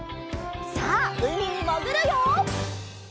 さあうみにもぐるよ！